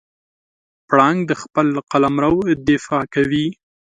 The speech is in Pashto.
پړانګ د خپل قلمرو دفاع کوي.